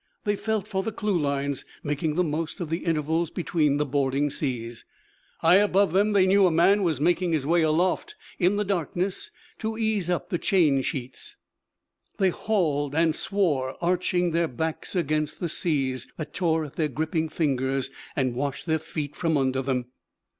They felt for the clewlines, making the most of the intervals between the boarding seas. High above them they knew a man was making his way aloft in the darkness to ease up the chain sheets. They hauled and swore, arching their backs against the seas that tore at their gripping fingers and washed their feet from under them.